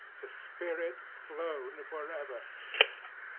the spirit flown forever!